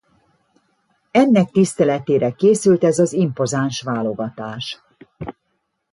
Ennek tiszteletére készült ez az impozáns válogatás.